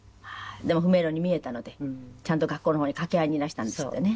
でも不明朗に見えたのでちゃんと学校の方に掛け合いにいらしたんですってね。